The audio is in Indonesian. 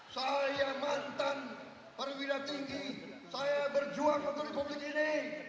saya mantan perwira tinggi saya berjuang untuk republik ini